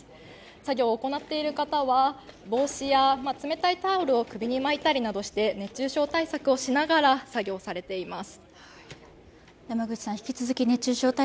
作業を行っている方は帽子や冷たいタオルを首に巻いたりなどして熱中症対策をしながら作業されています。